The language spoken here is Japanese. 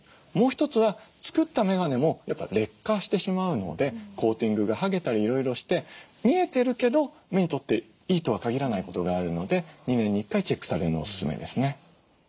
もう一つは作ったメガネもやっぱ劣化してしまうのでコーティングが剥げたりいろいろして見えてるけど目にとっていいとは限らないことがあるので２年に１回チェックされるのお勧めですね。